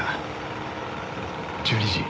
１２時。